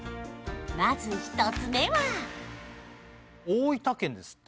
まず１つ目は大分県ですって